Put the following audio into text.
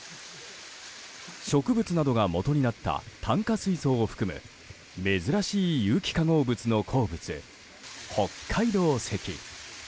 植物などがもとになった炭化水素を含む珍しい有機化合物の鉱物北海道石。